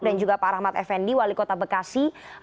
dan juga pak rahmat effendi wali kota bekasi